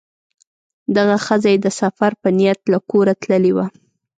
دغه ښځه یې د سفر په نیت له کوره تللې وه.